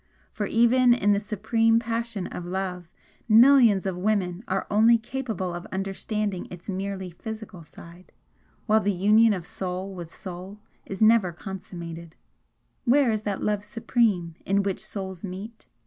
For even in the supreme passion of love, millions of women are only capable of understanding its merely physical side, while the union of soul with soul is never consummated: Where is that love supreme In which souls meet?